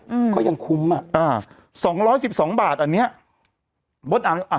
อืมก็ยังคุ้มอ่ะอ่าสองร้อยสิบสองบาทอันเนี้ยมดดำอ่ะ